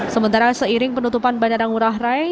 sementara seiring penutupan bandara ngurah rai